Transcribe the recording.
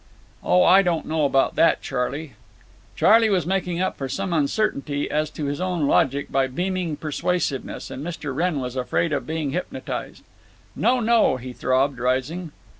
"Oh, I don't know about that, Charley. "Charley was making up for some uncertainty as to his own logic by beaming persuasiveness, and Mr. Wrenn was afraid of being hypnotized. "No, no!" he throbbed, rising.